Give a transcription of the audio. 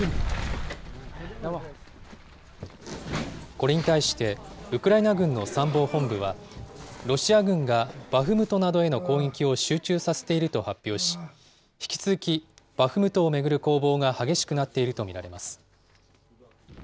これに対してウクライナ軍の参謀本部は、ロシア軍がバフムトなどへの攻撃を集中させていると発表し、引き続き、バフムトを巡る攻防が激しくなっていると見られます。